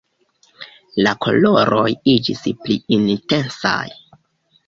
La koloroj iĝis pli intensaj.